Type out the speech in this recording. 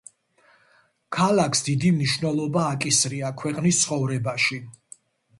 ქალაქს დიდი მნიშვნელობა აკისრია ქვეყნის ცხოვრებაში.